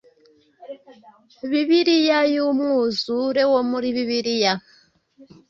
Bibiliya yumwuzure wo muri Bibiliya